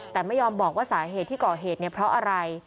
แต่ไม่ยอมบอกว่าสาเหตุที่ก่อเหตุเนี่ยเพราะอะไร